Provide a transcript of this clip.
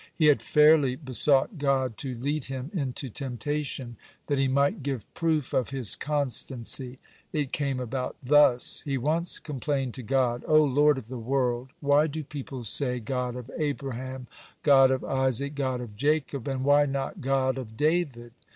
He had fairly besought God to lead him into temptation, that he might give proof of his constancy. It came about thus: He once complained to God: "O Lord of the world, why do people say God of Abraham, God of Isaac, God of Jacob, and why not God of David?"